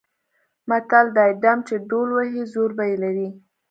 متل دی: ډم چې ډول وهي زور به یې لري.